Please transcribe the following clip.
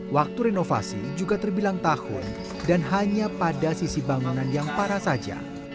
waktu renovasi juga terbilang tahun dan hanya pada sisi bangunan yang parah saja